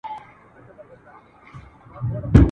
د خپل ځان او کورنۍ لپاره !.